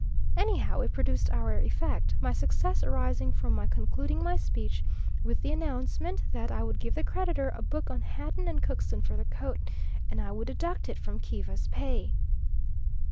Anyhow we produced our effect, my success arising from my concluding my speech with the announcement that I would give the creditor a book on Hatton and Cookson for the coat, and I would deduct it from Kiva's pay.